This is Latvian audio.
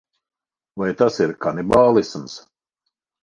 Vai tas ir kanibālisms?